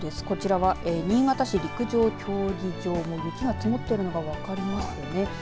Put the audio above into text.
こちらは新潟市陸上競技場の雪が積もっているのが分かります。